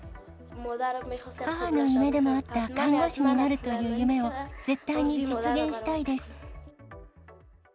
母の夢でもあった看護師になるという夢を絶対に実現したいです。